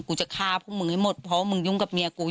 กูจะฆ่าพวกมึงให้หมดเพราะว่ามึงยุ่งกับเมียกู